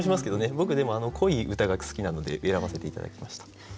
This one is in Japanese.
僕でも濃い歌が好きなので選ばせて頂きました。